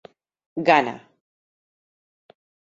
Ghana.